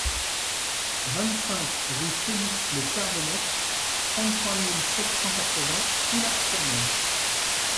vingt-cinq rue Félix-le-Carvennec, trente-trois mille sept cent quatre-vingts Soulac-sur-Mer